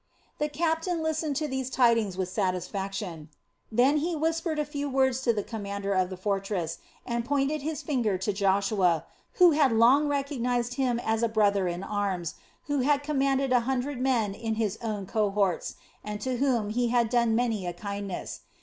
The captain listened to these tidings with satisfaction; then he whispered a few words to the commander of the fortress and pointed with his finger to Joshua, who had long recognized him as a brother in arms who had commanded a hundred men in his own cohorts and to whom he had done many a kindness.